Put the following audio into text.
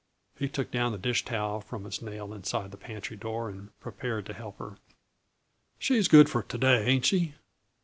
He took down the dish towel from its nail inside the pantry door and prepared to help her. "She's good for to day, ain't she?"